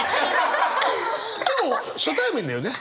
今日初対面だよね？